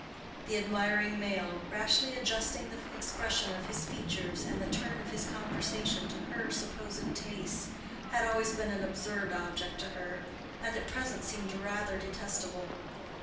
The admiring male, rashly adjusting the expression of his features and the turn of his conversation to her supposed tastes, had always been an absurd object to her, and at present seemed rather detestable.